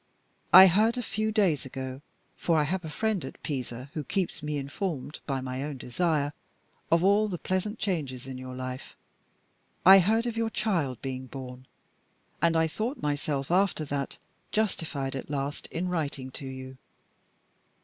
I heard a few days ago (for I have a friend at Pisa who keeps me informed, by my own desire, of all the pleasant changes in your life) I heard of your child being born; and I thought myself, after that, justified at last in writing to you.